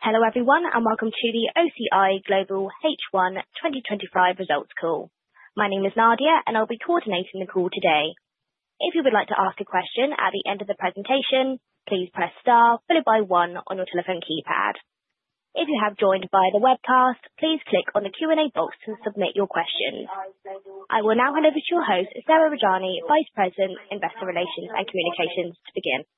Hello everyone and welcome to the OCI Global H1 2025 results call. My name is Nadia and I'll be coordinating the call today. If you would like to ask a question at the end of the presentation, please press star followed by one on your telephone keypad. If you have joined via the webcast, please click on the Q&A box to submit your questions. I will now hand over to your host, Sarah Rajani, Vice President, Investor Relations and Communications, to begin.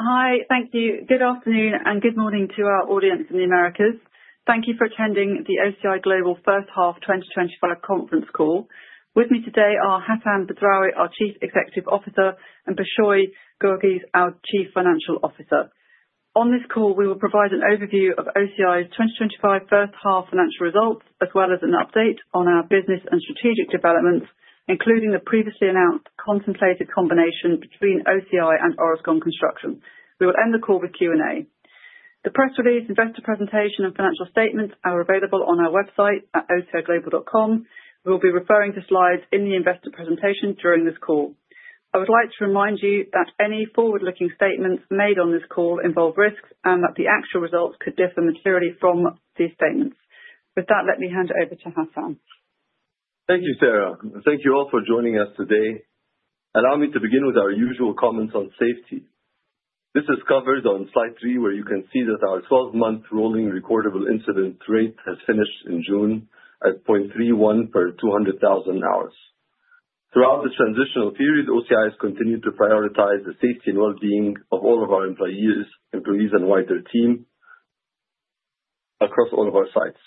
Hi, thank you. Good afternoon and good morning to our audience in the Americas. Thank you for attending the OCI Global First Half 2025 conference call. With me today are Hassan Badrawi, our Chief Executive Officer, and Beshoy Guirguis, our Chief Financial Officer. On this call, we will provide an overview of OCI's 2025 first half financial results, as well as an update on our business and strategic developments, including the previously announced contemplated combination between OCI and Orascom Construction. We will end the call with Q&A. The press release, investor presentation, and financial statements are available on our website at ociglobal.com. We will be referring to slides in the investor presentation during this call. I would like to remind you that any forward-looking statements made on this call involve risks and that the actual results could differ materially from these statements. With that, let me hand it over to Hassan. Thank you, Sarah. Thank you all for joining us today. Allow me to begin with our usual comments on safety. This is covered on slide three, where you can see that our 12-month rolling recordable incident rate has finished in June at 0.31 per 200,000 hours. Throughout the transitional period, OCI has continued to prioritize the safety and well-being of all of our employees and wider team across all of our sites.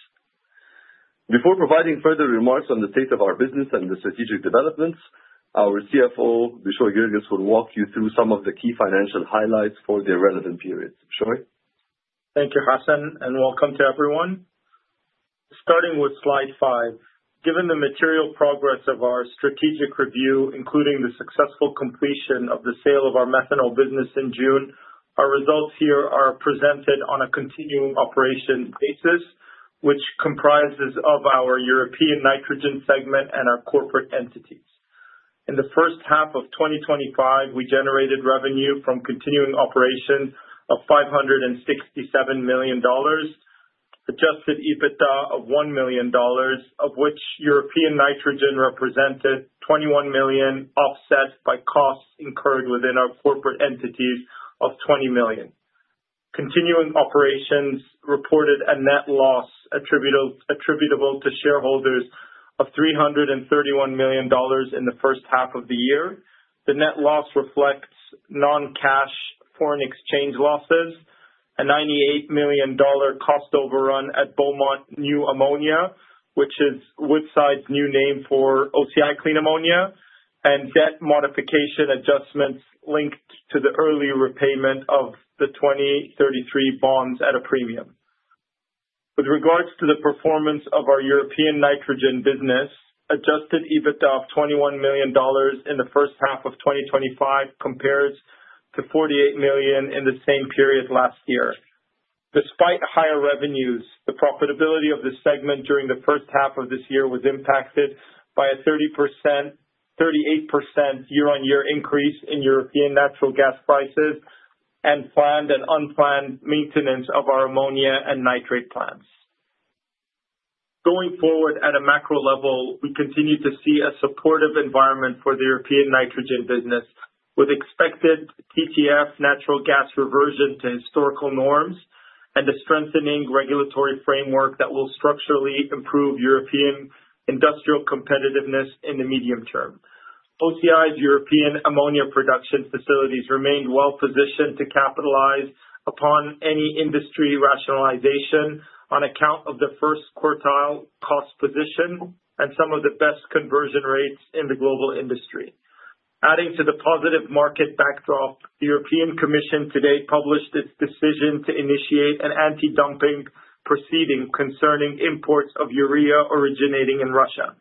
Before providing further remarks on the state of our business and the strategic developments, our CFO, Beshoy Guirguis, will walk you through some of the key financial highlights for the relevant period. Beshoy? Thank you, Hassan, and welcome to everyone. Starting with slide five, given the material progress of our strategic review, including the successful completion of the sale of our methanol business in June, our results here are presented on a continuing operations basis, which comprises our European nitrogen segment and our corporate entities. In the first half of 2025, we generated revenue from continuing operations of $567 million, Adjusted EBITDA of $1 million, of which European nitrogen represented $21 million, offset by costs incurred within our corporate entities of $20 million. Continuing operations reported a net loss attributable to shareholders of $331 million in the first half of the year. The net loss reflects non-cash foreign exchange losses, a $98 million cost overrun at Beaumont New Ammonia, which is Woodside's new name for OCI Clean Ammonia, and debt modification adjustments linked to the early repayment of the 2033 bonds at a premium. With regards to the performance of our European nitrogen business, Adjusted EBITDA of $21 million in the first half of 2025 compares to $48 million in the same period last year. Despite higher revenues, the profitability of the segment during the first half of this year was impacted by a 38% year-on-year increase in European natural gas prices and planned and unplanned maintenance of our ammonia and nitrate plants. Going forward at a macro level, we continue to see a supportive environment for the European nitrogen business, with expected TTF natural gas reversion to historical norms and a strengthening regulatory framework that will structurally improve European industrial competitiveness in the medium term. OCI's European ammonia production facilities remained well positioned to capitalize upon any industry rationalization on account of the first quartile cost position and some of the best conversion rates in the global industry. Adding to the positive market backdrop, the European Commission today published its decision to initiate an anti-dumping proceeding concerning imports of urea originating in Russia.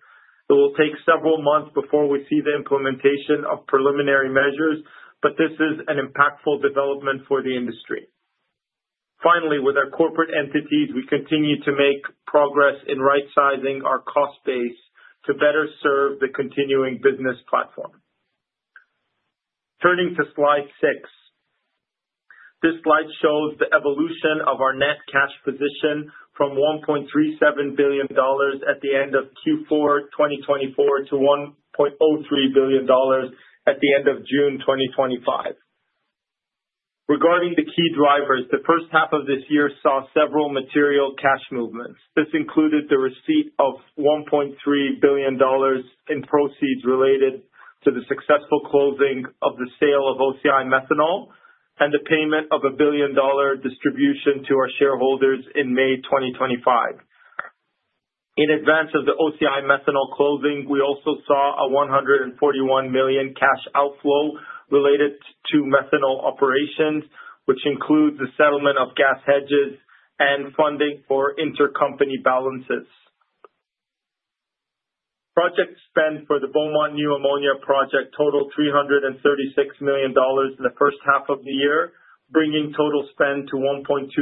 It will take several months before we see the implementation of preliminary measures, but this is an impactful development for the industry. Finally, with our corporate entities, we continue to make progress in right-sizing our cost base to better serve the continuing business platform. Turning to slide six, this slide shows the evolution of our net cash position from $1.37 billion at the end of Q4 2024 to $1.03 billion at the end of June 2025. Regarding the key drivers, the first half of this year saw several material cash movements. This included the receipt of $1.3 billion in proceeds related to the successful closing of the sale of OCI methanol and the payment of a billion-dollar distribution to our shareholders in May 2025. In advance of the OCI methanol closing, we also saw a $141 million cash outflow related to methanol operations, which includes the settlement of gas hedges and funding for intercompany balances. Project spend for the Beaumont New Ammonia project totaled $336 million in the first half of the year, bringing total spend to $1.29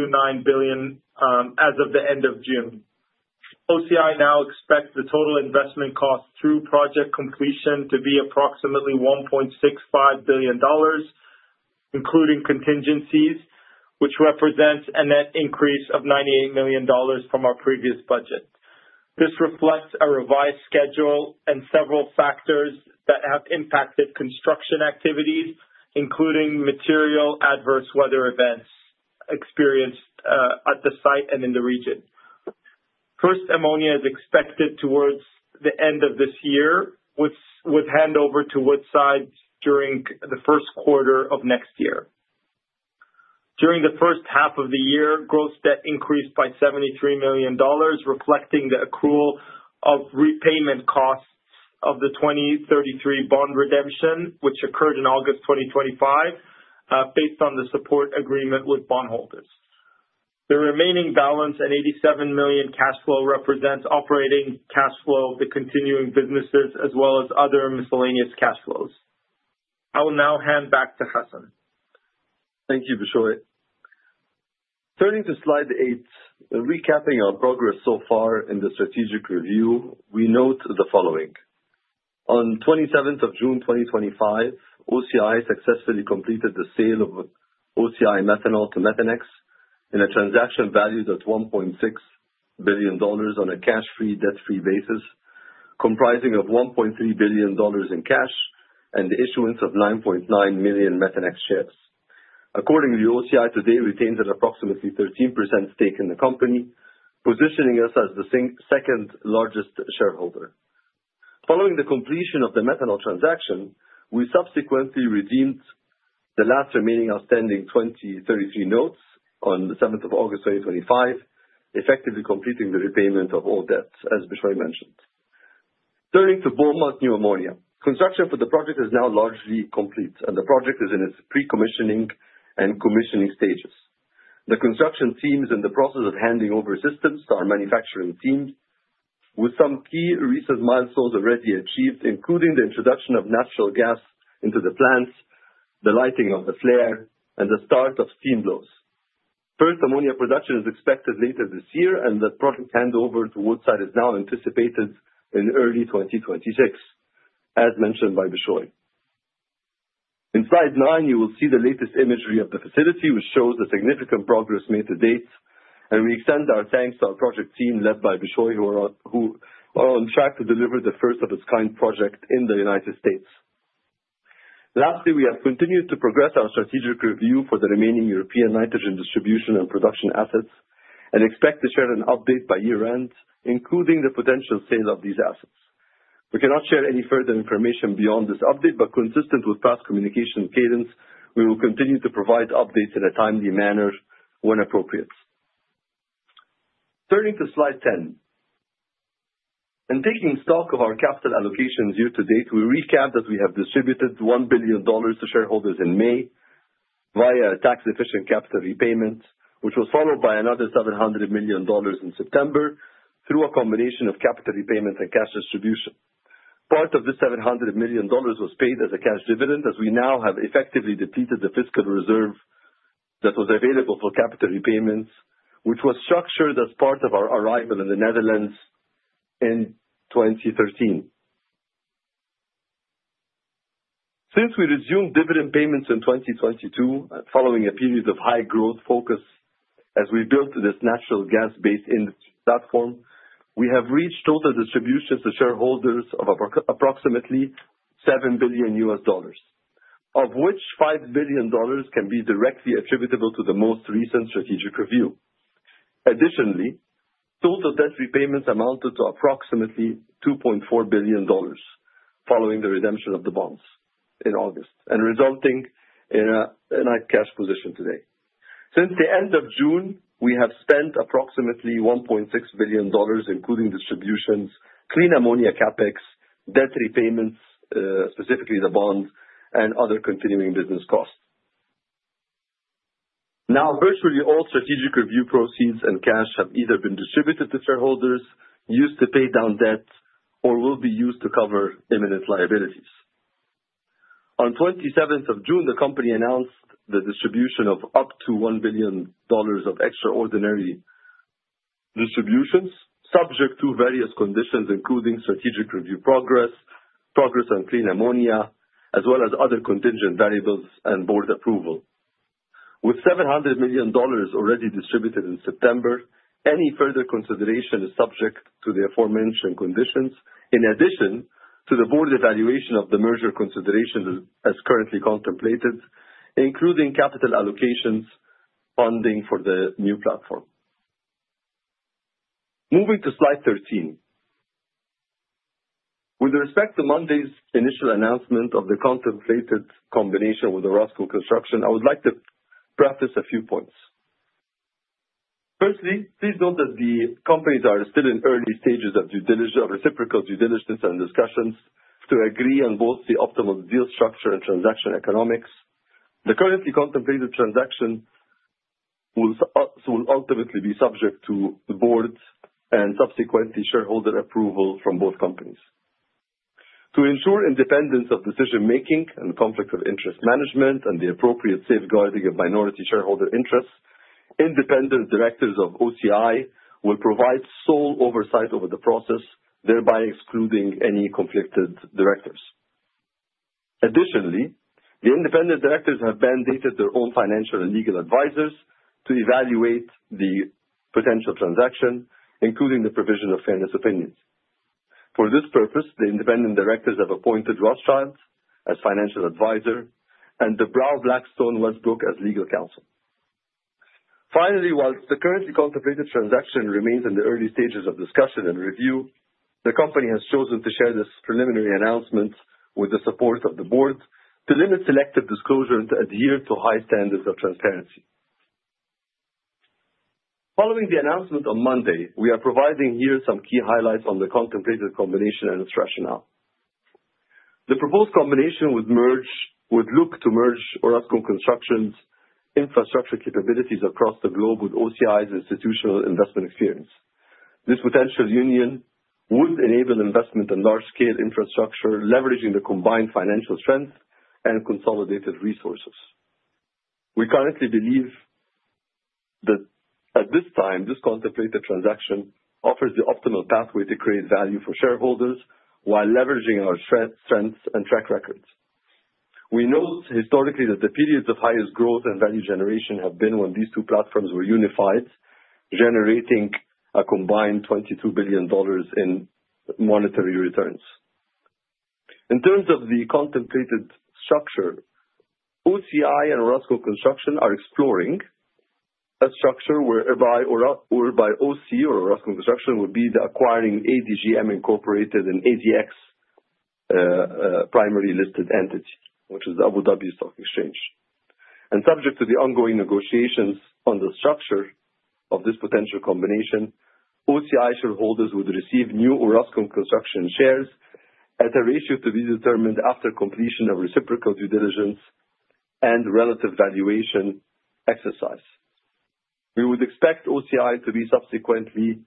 billion as of the end of June. OCI now expects the total investment cost through project completion to be approximately $1.65 billion, including contingencies, which represents a net increase of $98 million from our previous budget. This reflects a revised schedule and several factors that have impacted construction activities, including material adverse weather events experienced at the site and in the region. First ammonia is expected towards the end of this year, with handover to Woodside during the first quarter of next year. During the first half of the year, gross debt increased by $73 million, reflecting the accrual of repayment costs of the 2033 bond redemption, which occurred in August 2025, based on the support agreement with bondholders. The remaining balance and $87 million cash flow represents operating cash flow of the continuing businesses, as well as other miscellaneous cash flows. I will now hand back to Hassan. Thank you, Beshoy. Turning to slide eight, recapping our progress so far in the strategic review, we note the following. On 27th of June 2025, OCI successfully completed the sale of OCI methanol to Methanex in a transaction valued at $1.6 billion on a cash-free, debt-free basis, comprising of $1.3 billion in cash and the issuance of 9.9 million Methanex shares. Accordingly, OCI today retains an approximately 13% stake in the company, positioning us as the second largest shareholder. Following the completion of the methanol transaction, we subsequently redeemed the last remaining outstanding 2033 notes on the 7th of August 2025, effectively completing the repayment of all debts, as Beshoy mentioned. Turning to Beaumont New Ammonia, construction for the project is now largely complete, and the project is in its pre-commissioning and commissioning stages. The construction team is in the process of handing over systems to our manufacturing team, with some key research milestones already achieved, including the introduction of natural gas into the plants, the lighting of the flare, and the start of steam blows. First ammonia production is expected later this year, and the project handover to Woodside is now anticipated in early 2026, as mentioned by Beshoy. In slide nine, you will see the latest imagery of the facility, which shows the significant progress made to date, and we extend our thanks to our project team led by Beshoy, who are on track to deliver the first-of-its-kind project in the United States. Lastly, we have continued to progress our strategic review for the remaining European nitrogen distribution and production assets and expect to share an update by year-end, including the potential sale of these assets. We cannot share any further information beyond this update, but consistent with past communication cadence, we will continue to provide updates in a timely manner when appropriate. Turning to slide 10, and taking stock of our capital allocations year to date, we recap that we have distributed $1 billion to shareholders in May via a tax-efficient capital repayment, which was followed by another $700 million in September through a combination of capital repayments and cash distribution. Part of this $700 million was paid as a cash dividend, as we now have effectively depleted the fiscal reserve that was available for capital repayments, which was structured as part of our arrival in the Netherlands in 2013. Since we resumed dividend payments in 2022, following a period of high growth focus as we built this natural gas-based industry platform, we have reached total distributions to shareholders of approximately $7 billion, of which $5 billion can be directly attributable to the most recent strategic review. Additionally, total debt repayments amounted to approximately $2.4 billion following the redemption of the bonds in August, and resulting in a net cash position today. Since the end of June, we have spent approximately $1.6 billion, including distributions, clean ammonia CapEx, debt repayments, specifically the bonds, and other continuing business costs. Now, virtually all strategic review proceeds and cash have either been distributed to shareholders, used to pay down debt, or will be used to cover imminent liabilities. On 27th of June, the company announced the distribution of up to $1 billion of extraordinary distributions, subject to various conditions, including strategic review progress, progress on clean ammonia, as well as other contingent variables and board approval. With $700 million already distributed in September, any further consideration is subject to the aforementioned conditions, in addition to the board evaluation of the merger considerations as currently contemplated, including capital allocations funding for the new platform. Moving to slide 13, with respect to Monday's initial announcement of the contemplated combination with Orascom Construction, I would like to preface a few points. Firstly, please note that the companies are still in early stages of reciprocal due diligence and discussions to agree on both the optimal deal structure and transaction economics. The currently contemplated transaction will ultimately be subject to the board and subsequently shareholder approval from both companies. To ensure independence of decision-making and conflict of interest management and the appropriate safeguarding of minority shareholder interests, independent directors of OCI will provide sole oversight over the process, thereby excluding any conflicted directors. Additionally, the independent directors have mandated their own financial and legal advisors to evaluate the potential transaction, including the provision of fairness opinions. For this purpose, the independent directors have appointed Rothschild as financial advisor and De Brauw Blackstone Westbroek as legal counsel. Finally, while the currently contemplated transaction remains in the early stages of discussion and review, the company has chosen to share this preliminary announcement with the support of the board to limit selective disclosure and to adhere to high standards of transparency. Following the announcement on Monday, we are providing here some key highlights on the contemplated combination and its rationale. The proposed combination would look to merge Orascom Construction's infrastructure capabilities across the globe with OCI's institutional investment experience. This potential union would enable investment in large-scale infrastructure, leveraging the combined financial strength and consolidated resources. We currently believe that at this time, this contemplated transaction offers the optimal pathway to create value for shareholders while leveraging our strengths and track records. We note historically that the periods of highest growth and value generation have been when these two platforms were unified, generating a combined $22 billion in monetary returns. In terms of the contemplated structure, OCI and Orascom Construction are exploring a structure whereby OCI or Orascom Construction would be the acquiring ADGM-incorporated and ADX primary listed entity, which is the Abu Dhabi Securities Exchange. Subject to the ongoing negotiations on the structure of this potential combination, OCI shareholders would receive new Orascom Construction shares at a ratio to be determined after completion of reciprocal due diligence and relative valuation exercise. We would expect OCI to be subsequently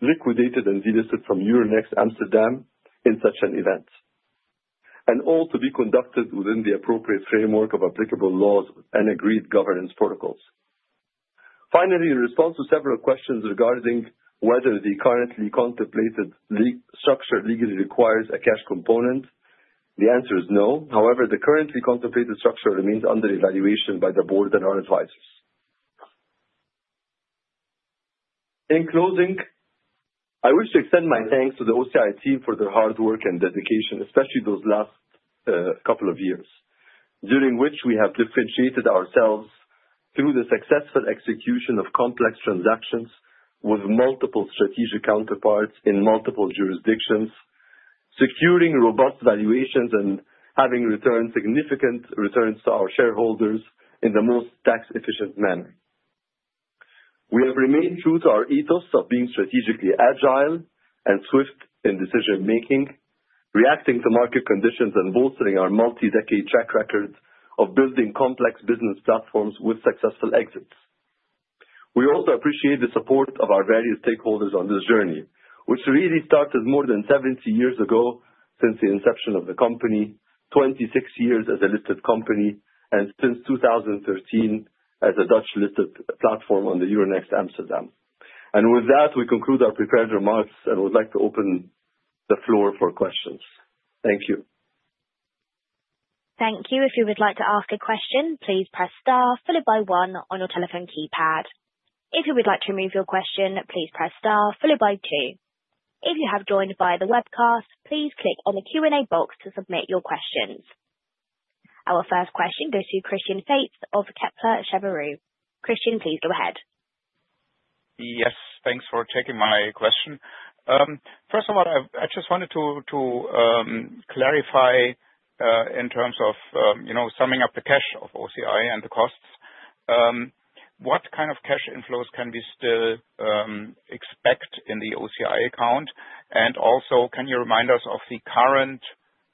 liquidated and delisted from Euronext Amsterdam in such an event, and all to be conducted within the appropriate framework of applicable laws and agreed governance protocols. Finally, in response to several questions regarding whether the currently contemplated structure legally requires a cash component, the answer is no. However, the currently contemplated structure remains under evaluation by the board and our advisors. In closing, I wish to extend my thanks to the OCI team for their hard work and dedication, especially those last couple of years, during which we have differentiated ourselves through the successful execution of complex transactions with multiple strategic counterparts in multiple jurisdictions, securing robust valuations and having returned significant returns to our shareholders in the most tax-efficient manner. We have remained true to our ethos of being strategically agile and swift in decision-making, reacting to market conditions and bolstering our multi-decade track record of building complex business platforms with successful exits. We also appreciate the support of our various stakeholders on this journey, which really started more than 70 years ago since the inception of the company, 26 years as a listed company, and since 2013 as a Dutch listed platform on the Euronext Amsterdam. With that, we conclude our prepared remarks and would like to open the floor for questions. Thank you. Thank you. If you would like to ask a question, please press star followed by one on your telephone keypad. If you would like to remove your question, please press star followed by two. If you have joined via the webcast, please click on the Q&A box to submit your questions. Our first question goes to Christian Faitz of Kepler Cheuvreux. Christian, please go ahead. Yes, thanks for taking my question. First of all, I just wanted to clarify in terms of summing up the cash of OCI and the costs. What kind of cash inflows can we still expect in the OCI account? And also, can you remind us of the current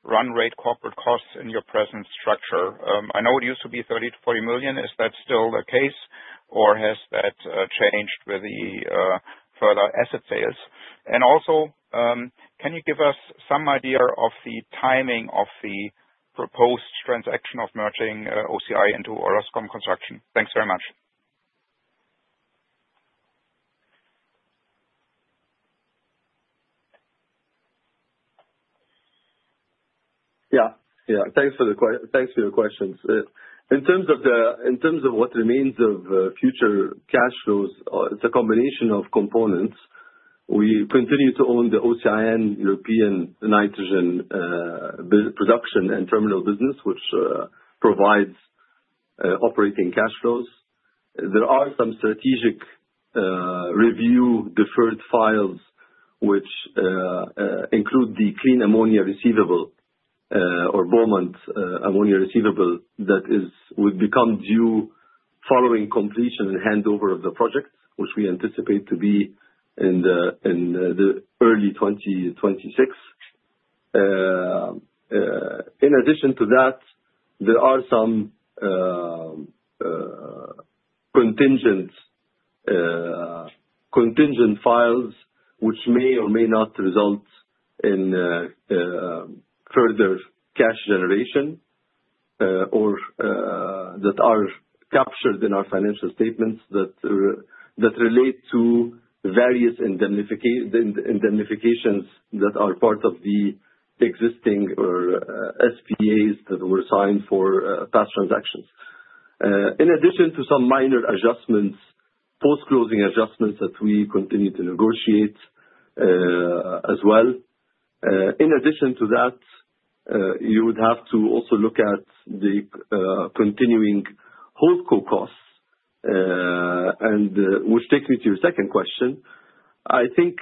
run rate corporate costs in your present structure? I know it used to be $30 million-$40 million. Is that still the case, or has that changed with the further asset sales? And also, can you give us some idea of the timing of the proposed transaction of merging OCI into Orascom Construction? Thanks very much. Yeah, yeah. Thanks for the questions. In terms of what remains of future cash flows, it's a combination of components. We continue to own the OCI Nitrogen European nitrogen production and terminal business, which provides operating cash flows. There are some strategic review deferred files, which include the Clean Ammonia receivable or Beaumont New Ammonia receivable that would become due following completion and handover of the project, which we anticipate to be in the early 2026. In addition to that, there are some contingent files which may or may not result in further cash generation or that are captured in our financial statements that relate to various indemnifications that are part of the existing SPAs that were signed for past transactions. In addition to some minor adjustments, post-closing adjustments that we continue to negotiate as well. In addition to that, you would have to also look at the continuing hold-co costs, which takes me to your second question. I think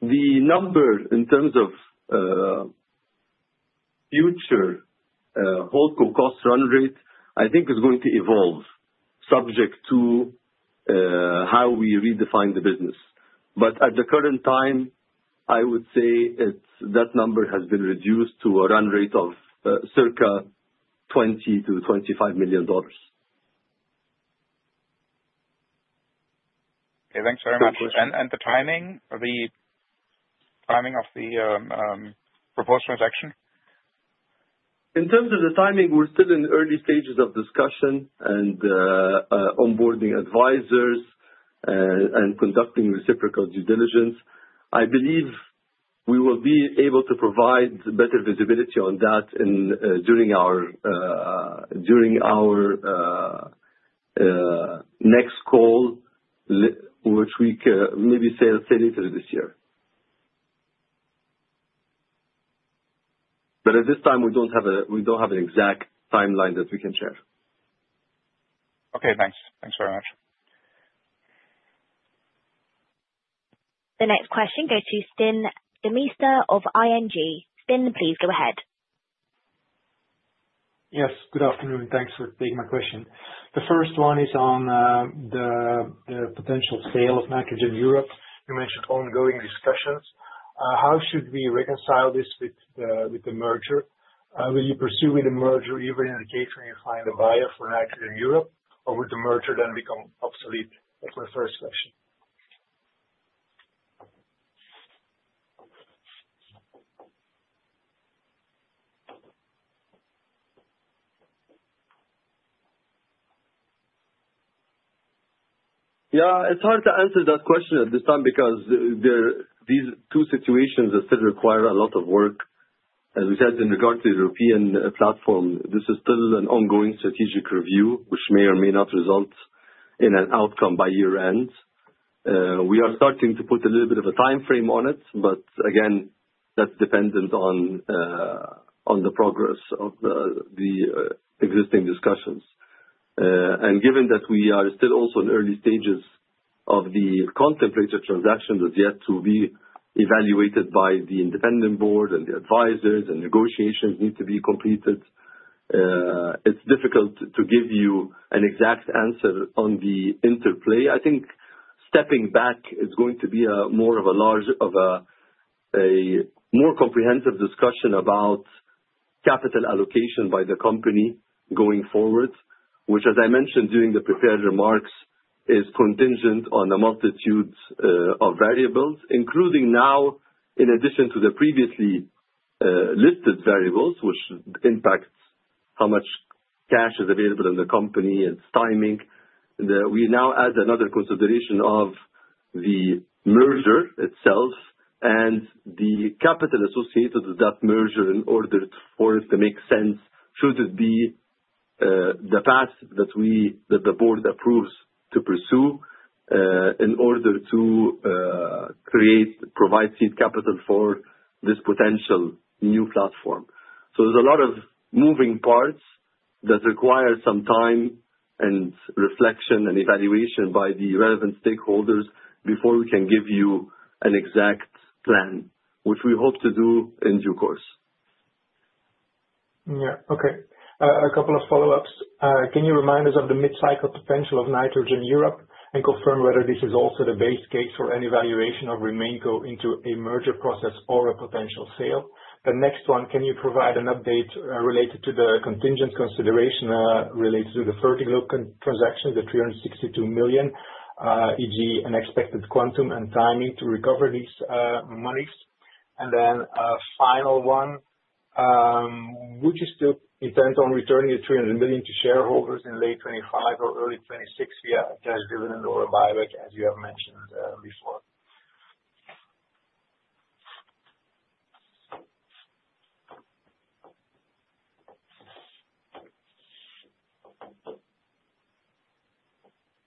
the number in terms of future hold-co cost run rate, I think, is going to evolve subject to how we redefine the business. But at the current time, I would say that number has been reduced to a run rate of circa $20 million-$25 million. Okay, thanks very much. And the timing of the proposed transaction? In terms of the timing, we're still in early stages of discussion and onboarding advisors and conducting reciprocal due diligence. I believe we will be able to provide better visibility on that during our next call, which we maybe say later this year. But at this time, we don't have an exact timeline that we can share. Okay, thanks. Thanks very much. The next question goes to Stijn Demeester of ING. Stijn, please go ahead. Yes, good afternoon. Thanks for taking my question. The first one is on the potential sale of Nitrogen Europe. You mentioned ongoing discussions. How should we reconcile this with the merger? Will you pursue with the merger even in the case when you find a buyer for Nitrogen Europe, or would the merger then become obsolete? That's my first question. Yeah, it's hard to answer that question at this time because these two situations still require a lot of work. As we said, in regard to the European platform, this is still an ongoing strategic review, which may or may not result in an outcome by year-end. We are starting to put a little bit of a timeframe on it, but again, that's dependent on the progress of the existing discussions, and given that we are still also in early stages of the contemplated transaction that's yet to be evaluated by the independent board and the advisors and negotiations need to be completed, it's difficult to give you an exact answer on the interplay. I think stepping back is going to be more of a comprehensive discussion about capital allocation by the company going forward, which, as I mentioned during the prepared remarks, is contingent on a multitude of variables, including now, in addition to the previously listed variables, which impact how much cash is available in the company and its timing. We now add another consideration of the merger itself and the capital associated with that merger in order for it to make sense. Should it be the path that the board approves to pursue in order to create, provide seed capital for this potential new platform? So there's a lot of moving parts that require some time and reflection and evaluation by the relevant stakeholders before we can give you an exact plan, which we hope to do in due course. Yeah, okay. A couple of follow-ups. Can you remind us of the mid-cycle potential of Nitrogen Europe and confirm whether this is also the base case for an evaluation of remaining go into a merger process or a potential sale? The next one, can you provide an update related to the contingent consideration related to the Fertiglobe transaction, the $362 million, e.g., an expected quantum and timing to recover these monies? And then a final one, would you still intend on returning the $300 million to shareholders in late 2025 or early 2026 via a cash dividend or a buyback, as you have mentioned before?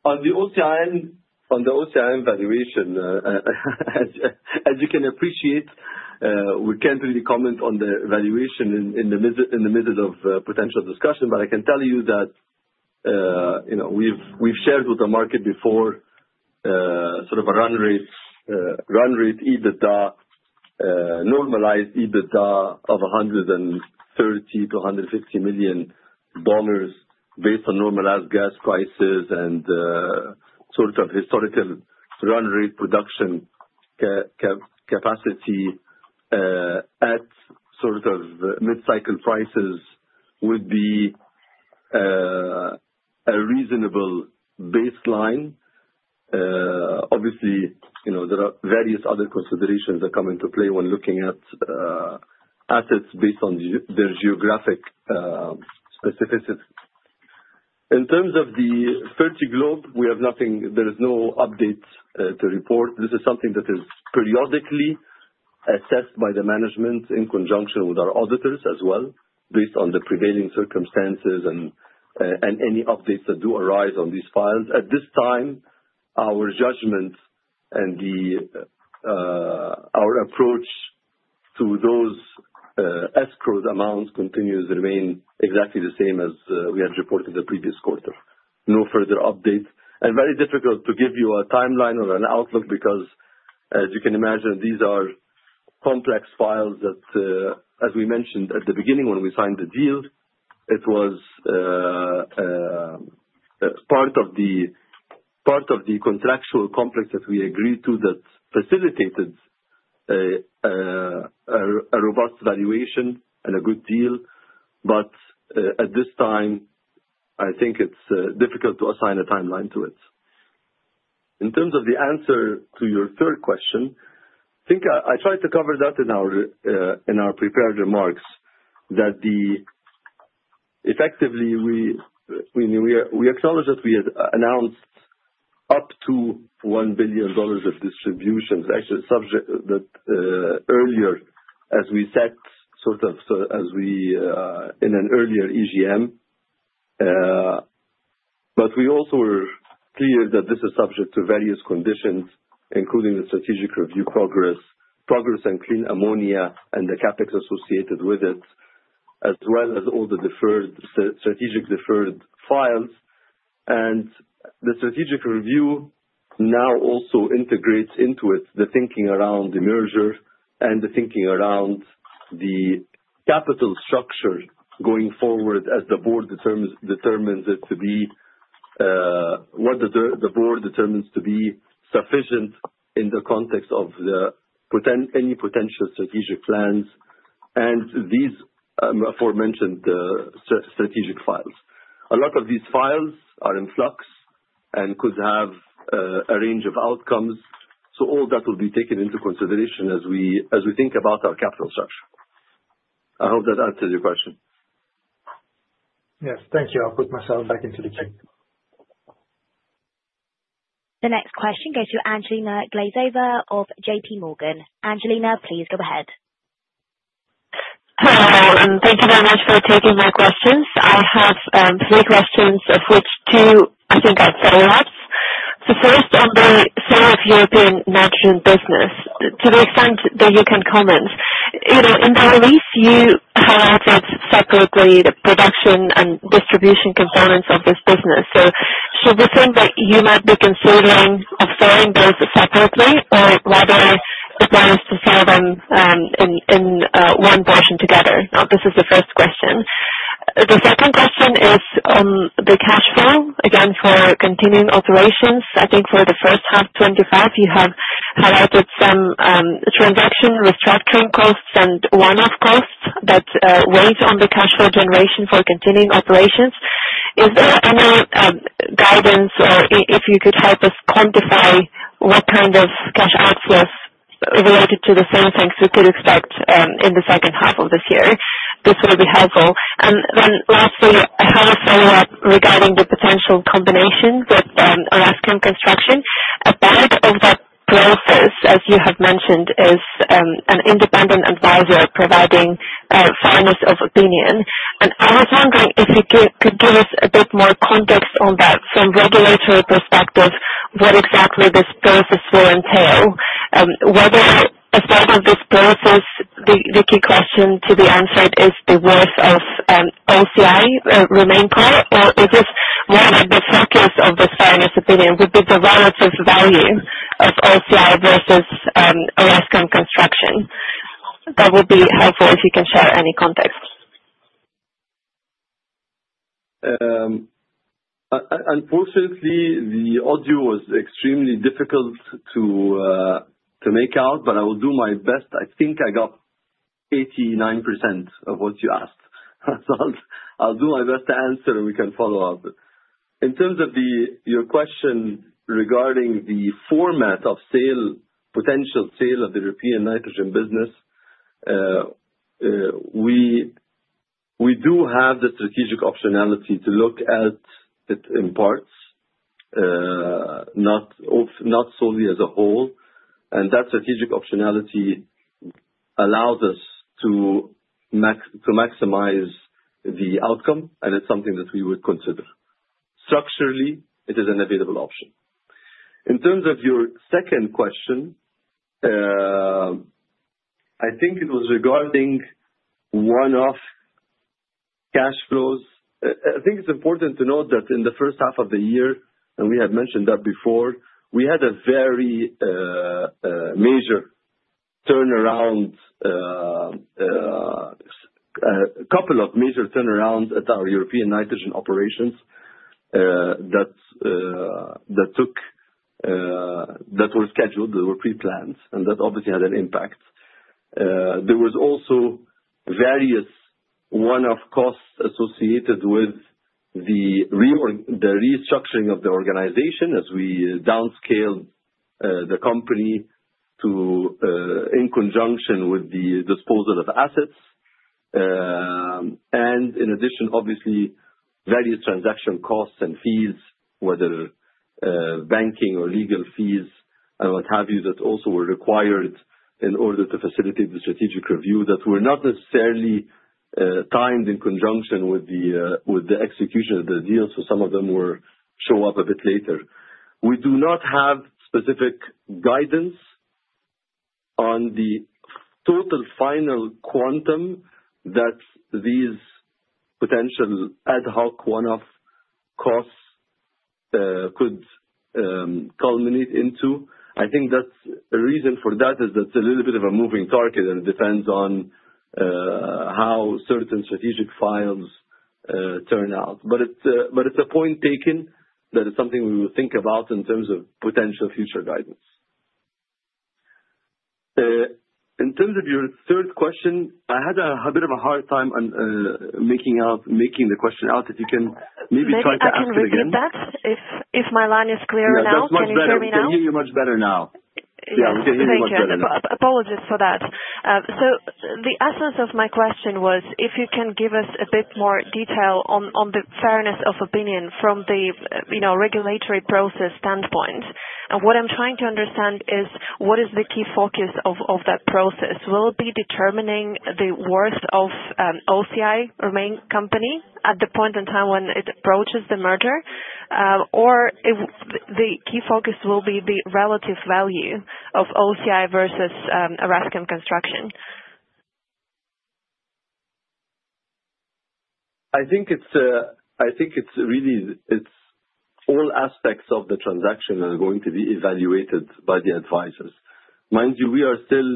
On the OCIN valuation, as you can appreciate, we can't really comment on the valuation in the midst of potential discussion, but I can tell you that we've shared with the market before sort of a run rate EBITDA, normalized EBITDA of $130 million-$150 million based on normalized gas prices and sort of historical run rate production capacity at sort of mid-cycle prices would be a reasonable baseline. Obviously, there are various other considerations that come into play when looking at assets based on their geographic specificity. In terms of the Fertiglobe, there is no update to report. This is something that is periodically assessed by the management in conjunction with our auditors as well, based on the prevailing circumstances and any updates that do arise on these files. At this time, our judgment and our approach to those escrowed amounts continues to remain exactly the same as we had reported the previous quarter. No further update, and very difficult to give you a timeline or an outlook because, as you can imagine, these are complex files that, as we mentioned at the beginning when we signed the deal, it was part of the contractual complex that we agreed to that facilitated a robust valuation and a good deal, but at this time, I think it's difficult to assign a timeline to it. In terms of the answer to your third question, I think I tried to cover that in our prepared remarks that effectively we acknowledge that we had announced up to $1 billion of distributions, actually subject to that earlier as we said sort of in an earlier EGM. But we also were clear that this is subject to various conditions, including the strategic review progress and clean ammonia and the CapEx associated with it, as well as all the strategic deferred files. And the strategic review now also integrates into it the thinking around the merger and the thinking around the capital structure going forward as the board determines it to be what the board determines to be sufficient in the context of any potential strategic plans and these aforementioned strategic files. A lot of these files are in flux and could have a range of outcomes. So all that will be taken into consideration as we think about our capital structure. I hope that answers your question. Yes, thank you. I'll put myself back into the chat. The next question goes to Angelina Glazova of J.P. Morgan. Angelina, please go ahead. Hello, and thank you very much for taking my questions. I have three questions, of which two I think are follow-ups. So first, on the sale of European nitrogen business, to the extent that you can comment, in the release, you highlighted separately the production and distribution components of this business. So should the thing that you might be considering of selling those separately or rather it matters to sell them in one portion together? Now, this is the first question. The second question is on the cash flow, again, for continuing operations. I think for the first half 2025, you have highlighted some transaction restructuring costs and one-off costs that weigh on the cash flow generation for continuing operations. Is there any guidance or if you could help us quantify what kind of cash outflows related to the same things we could expect in the second half of this year? This will be helpful. And then lastly, I have a follow-up regarding the potential combination with Orascom Construction. A part of that process, as you have mentioned, is an independent advisor providing a fairness opinion. And I was wondering if you could give us a bit more context on that from a regulatory perspective, what exactly this process will entail? Whether as part of this process, the key question to be answered is the worth of OCI remaining part, or is this more the focus of this fairness opinion? Would be the relative value of OCI versus Orascom Construction? That would be helpful if you can share any context. Unfortunately, the audio was extremely difficult to make out, but I will do my best. I think I got 89% of what you asked. I'll do my best to answer, and we can follow up. In terms of your question regarding the format of potential sale of the European nitrogen business, we do have the strategic optionality to look at it in parts, not solely as a whole. And that strategic optionality allows us to maximize the outcome, and it's something that we would consider. Structurally, it is an available option. In terms of your second question, I think it was regarding one-off cash flows. I think it's important to note that in the first half of the year, and we had mentioned that before, we had a very major turnaround, a couple of major turnarounds at our European nitrogen operations that were scheduled, that were pre-planned, and that obviously had an impact. There was also various one-off costs associated with the restructuring of the organization as we downscaled the company in conjunction with the disposal of assets. In addition, obviously, various transaction costs and fees, whether banking or legal fees and what have you, that also were required in order to facilitate the strategic review that were not necessarily timed in conjunction with the execution of the deals. So some of them show up a bit later. We do not have specific guidance on the total final quantum that these potential ad hoc one-off costs could culminate into. I think that's a reason for that is that it's a little bit of a moving target, and it depends on how certain strategic deals turn out. But it's a point taken that is something we will think about in terms of potential future guidance. In terms of your third question, I had a bit of a hard time making the question out. If you can maybe try to ask it again. Can you hear me better? If my line is clear now, can you hear me now? Yes, we can hear you much better now. Yeah, we can hear you much better. Apologies for that. So the essence of my question was if you can give us a bit more detail on the fairness opinion from the regulatory process standpoint. And what I'm trying to understand is what is the key focus of that process? Will it be determining the worth of OCI main company at the point in time when it approaches the merger, or the key focus will be the relative value of OCI versus Orascom Construction? I think it's really all aspects of the transaction are going to be evaluated by the advisors. Mind you, we are still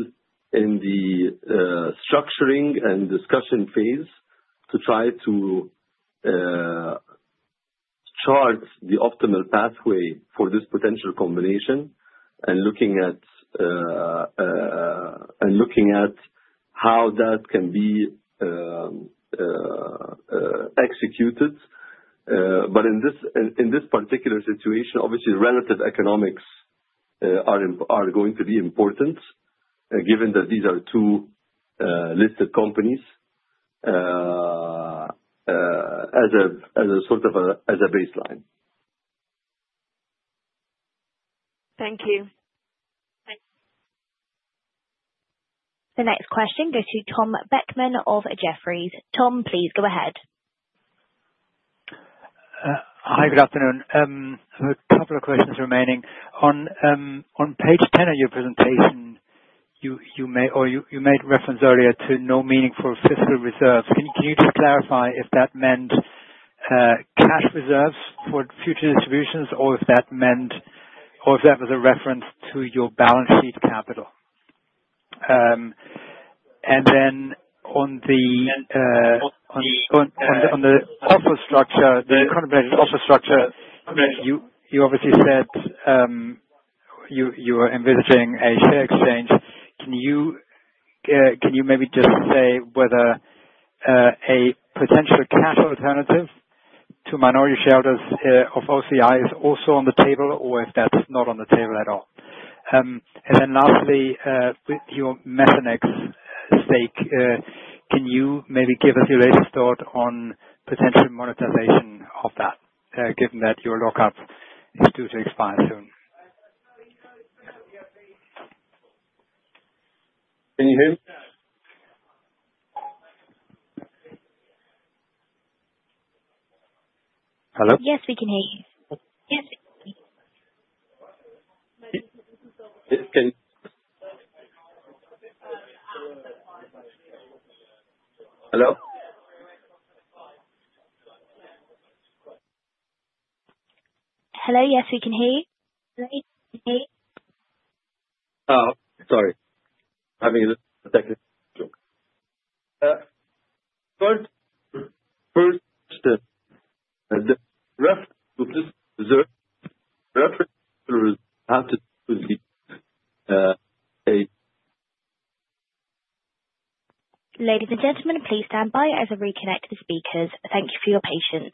in the structuring and discussion phase to try to chart the optimal pathway for this potential combination and looking at how that can be executed. But in this particular situation, obviously, relative economics are going to be important given that these are two listed companies as a sort of a baseline. Thank you. The next question goes to Tom Beckmann of Jefferies. Tom, please go ahead. Hi, good afternoon. A couple of questions remaining. On page 10 of your presentation, you made reference earlier to no meaningful fiscal reserves. Can you just clarify if that meant cash reserves for future distributions or if that was a reference to your balance sheet capital? And then on the offer structure, the comprehensive offer structure, you obviously said you were envisaging a share exchange. Can you maybe just say whether a potential cash alternative to minority shareholders of OCI is also on the table or if that's not on the table at all? And then lastly, with your Methanex stake, can you maybe give us your latest thought on potential monetization of that, given that your lockup is due to expire soon? Can you hear me? Hello? Yes, we can hear you. Hello, yes, we can hear you. Oh, sorry. I mean, a second. Ladies and gentlemen, please stand by as we reconnect the speakers. Thank you for your patience.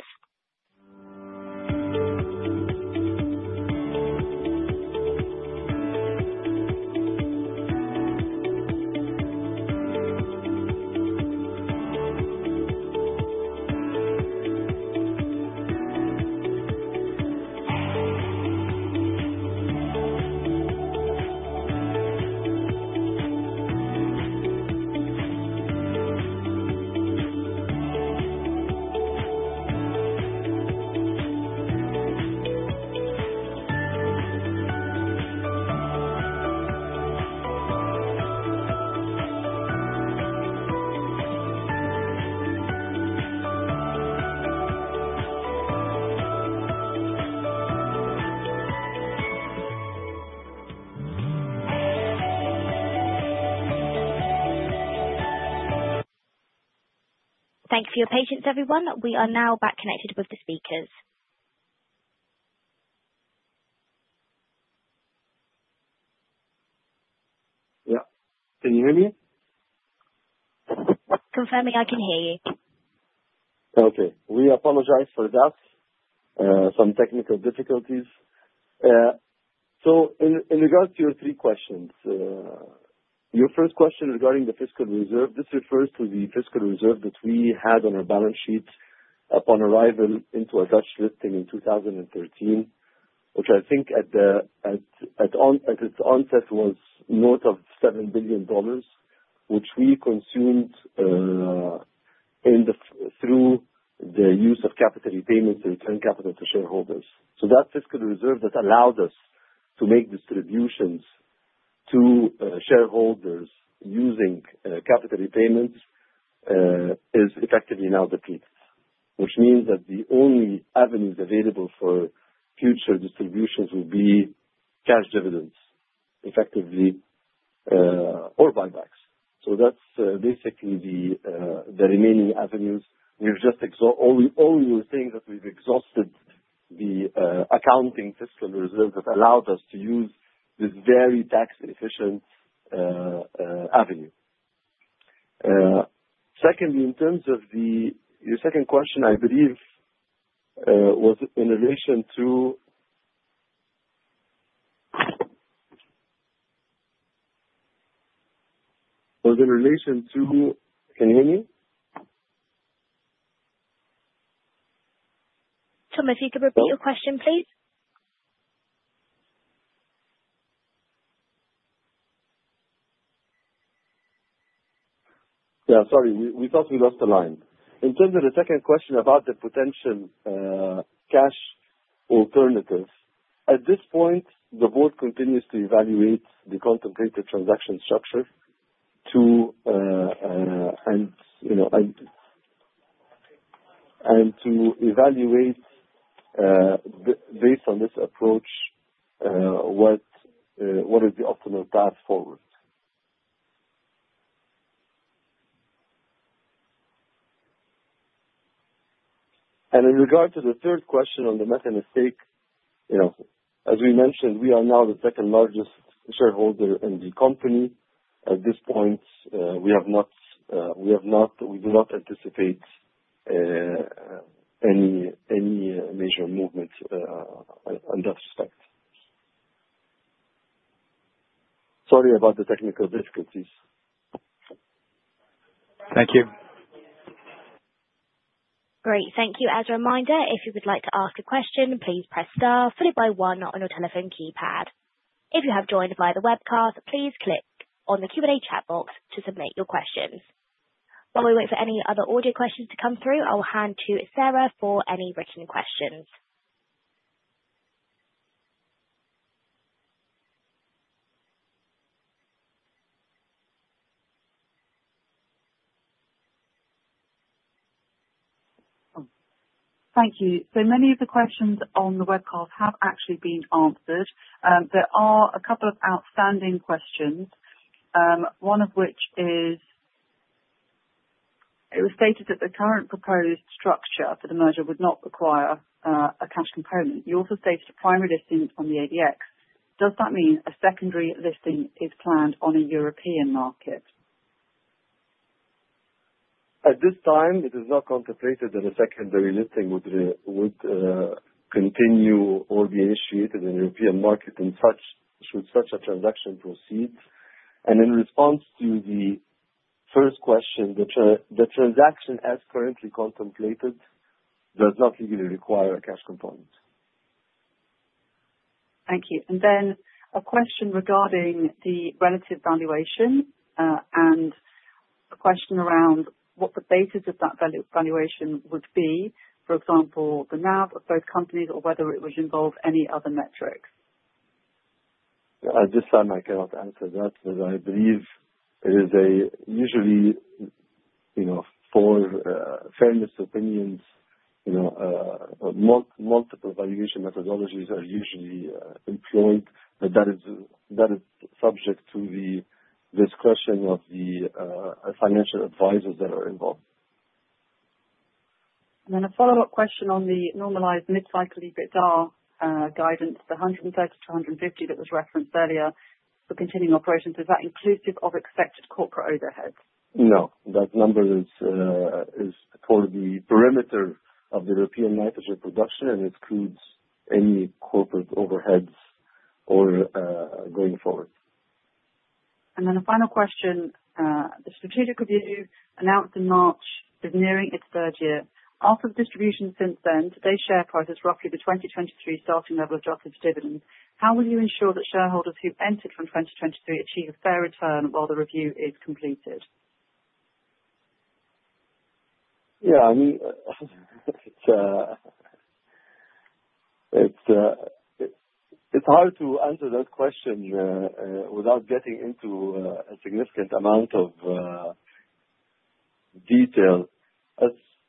Thank you for your patience, everyone. We are now back connected with the speakers. Yeah. Can you hear me? Confirming I can hear you. Okay. We apologize for that, some technical difficulties. So in regards to your three questions, your first question regarding the fiscal reserve, this refers to the fiscal reserve that we had on our balance sheet upon arrival into a Dutch listing in 2013, which I think at its onset was north of $7 billion, which we consumed through the use of capital repayments and return capital to shareholders. So that fiscal reserve that allowed us to make distributions to shareholders using capital repayments is effectively now depleted, which means that the only avenues available for future distributions will be cash dividends, effectively, or buybacks. So that's basically the remaining avenues. We've just exhausted all the things that we've exhausted the accounting fiscal reserve that allowed us to use this very tax-efficient avenue. Secondly, in terms of your second question, I believe was in relation to can you hear me? Tom, if you could repeat your question, please. Yeah, sorry. We thought we lost the line. In terms of the second question about the potential cash alternative, at this point, the board continues to evaluate the contemplated transaction structure and to evaluate, based on this approach, what is the optimal path forward, and in regards to the third question on the Methanex stake, as we mentioned, we are now the second largest shareholder in the company. At this point, we have not, we do not anticipate any major movement on that respect. Sorry about the technical difficulties. Thank you. Great. Thank you. As a reminder, if you would like to ask a question, please press star followed by one on your telephone keypad. If you have joined via the webcast, please click on the Q&A chat box to submit your questions. While we wait for any other audio questions to come through, I will hand to Sarah for any written questions. Thank you. So many of the questions on the webcast have actually been answered. There are a couple of outstanding questions, one of which is it was stated that the current proposed structure for the merger would not require a cash component. You also stated a primary listing on the ADX. Does that mean a secondary listing is planned on a European market? At this time, it is not contemplated that a secondary listing would continue or be initiated in the European market should such a transaction proceed, and in response to the first question, the transaction as currently contemplated does not really require a cash component. Thank you. And then a question regarding the relative valuation and a question around what the basis of that valuation would be, for example, the NAV of both companies or whether it would involve any other metrics. At this time, I cannot answer that, but I believe it is usually for fairness opinions, multiple valuation methodologies are usually employed, but that is subject to the discretion of the financial advisors that are involved. Then a follow-up question on the normalized mid-cycle EBITDA guidance, the $130 million-$150 million that was referenced earlier for continuing operations. Is that inclusive of expected corporate overhead? No. That number is for the perimeter of the European nitrogen production, and it includes any corporate overheads going forward. And then a final question. The strategic review announced in March is nearing its third year. After the distribution since then, today's share price is roughly the 2023 starting level of dropped dividend. How will you ensure that shareholders who entered from 2023 achieve a fair return while the review is completed? Yeah. I mean, it's hard to answer that question without getting into a significant amount of detail.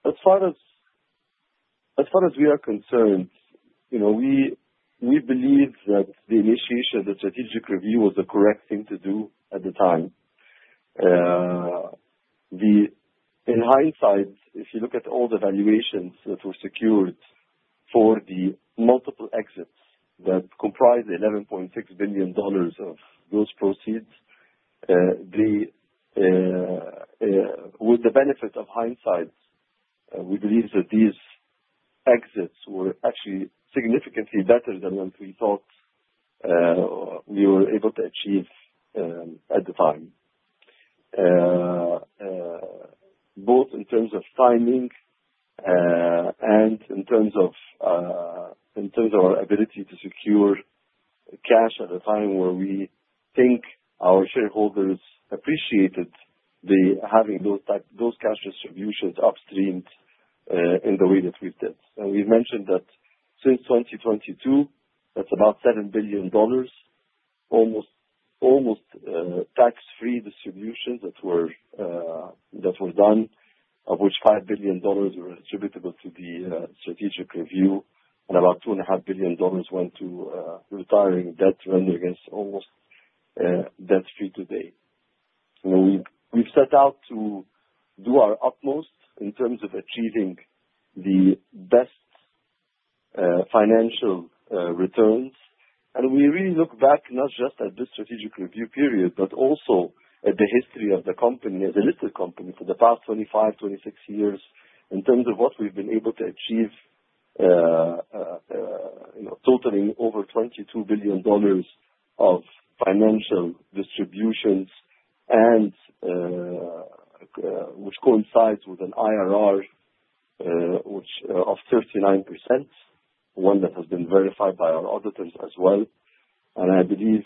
As far as we are concerned, we believe that the initiation of the strategic review was the correct thing to do at the time. In hindsight, if you look at all the valuations that were secured for the multiple exits that comprise the $11.6 billion of gross proceeds, with the benefit of hindsight, we believe that these exits were actually significantly better than what we thought we were able to achieve at the time, both in terms of timing and in terms of our ability to secure cash at a time where we think our shareholders appreciated having those cash distributions upstream in the way that we did. We mentioned that since 2022, that's about $7 billion, almost tax-free distributions that were done, of which $5 billion were attributable to the strategic review, and about $2.5 billion went to retiring debt, rendering us almost debt-free today. We've set out to do our utmost in terms of achieving the best financial returns. We really look back not just at this strategic review period, but also at the history of the company as a listed company for the past 25, 26 years in terms of what we've been able to achieve, totaling over $22 billion of financial distributions, which coincides with an IRR of 39%, one that has been verified by our auditors as well. I believe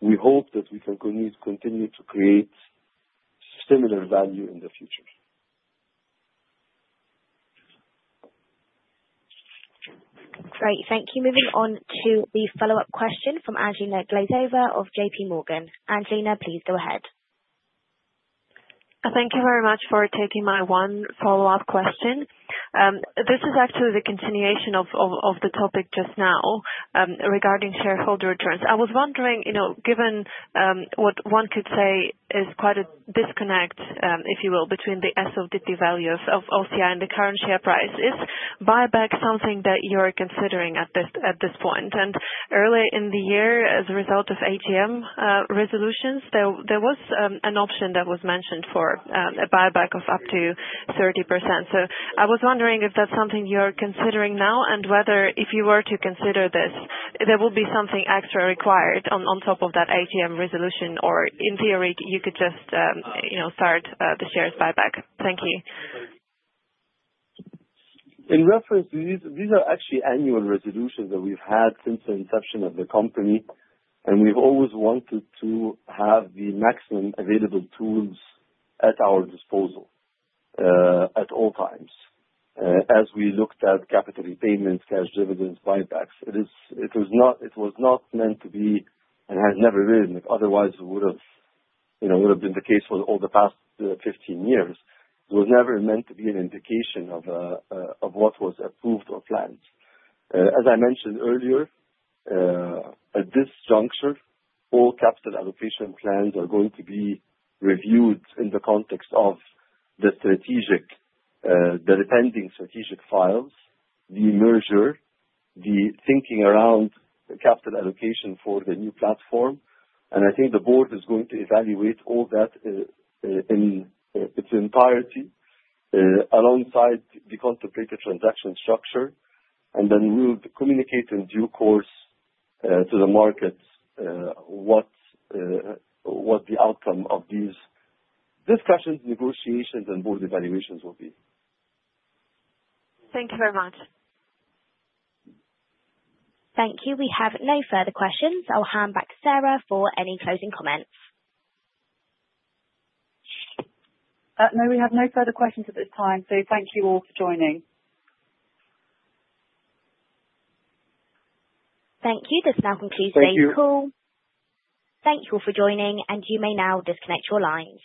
we hope that we can continue to create similar value in the future. Great. Thank you. Moving on to the follow-up question from Angelina Glazova of J.P. Morgan. Angelina, please go ahead. Thank you very much for taking my one follow-up question. This is actually the continuation of the topic just now regarding shareholder returns. I was wondering, given what one could say is quite a disconnect, if you will, between the SOTP value of OCI and the current share price, is buyback something that you're considering at this point? And earlier in the year, as a result of AGM resolutions, there was an option that was mentioned for a buyback of up to 30%. So I was wondering if that's something you're considering now and whether, if you were to consider this, there would be something extra required on top of that AGM resolution, or in theory, you could just start the shares buyback. Thank you. In reference, these are actually annual resolutions that we've had since the inception of the company, and we've always wanted to have the maximum available tools at our disposal at all times as we looked at capital repayments, cash dividends, buybacks. It was not meant to be, and has never been. Otherwise, it would have been the case for all the past 15 years. It was never meant to be an indication of what was approved or planned. As I mentioned earlier, at this juncture, all capital allocation plans are going to be reviewed in the context of the pending strategic files, the merger, the thinking around capital allocation for the new platform, and I think the board is going to evaluate all that in its entirety alongside the contemplated transaction structure. We'll communicate in due course to the markets what the outcome of these discussions, negotiations, and board evaluations will be. Thank you very much. Thank you. We have no further questions. I'll hand back Sarah for any closing comments. No, we have no further questions at this time, so thank you all for joining. Thank you. This now concludes the call. Thank you. Thank you all for joining, and you may now disconnect your lines.